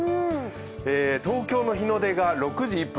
東京の日の出が６時１分。